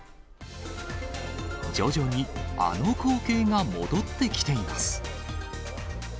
徐々にあの光景が戻ってきています。